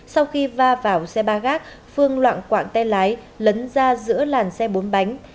sau khi va vào xe ba gác phương loạn quạng tay lái lấn ra giữa làn xe bốn bánh